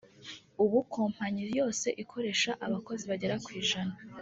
ubu Kompanyi yose ikoresha abakozi bagera ku ijana